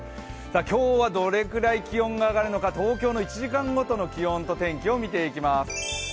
今日はどれくらい気温が上がるのか東京の１時間ごとの気温と天気を見ていきます。